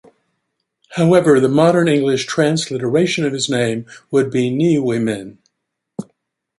However, the modern English transliteration of his name would be Neuymin.